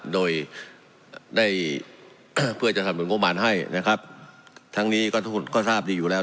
โดยได้เพื่อจะสำนุนงบมารให้นะครับทั้งนี้ก็ทุกคนก็ทราบดีอยู่แล้ว